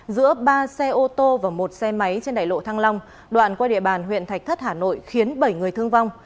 giữa ba xe ô tô và một xe máy trên đại lộ thăng long đoạn qua địa bàn huyện thạch thất hà nội khiến bảy người thương vong